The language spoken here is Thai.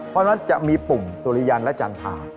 เพราะฉะนั้นจะมีปุ่มสุริยันและจันทรา